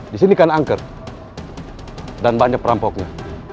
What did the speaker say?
di sini kan angker dan banyak perampoknya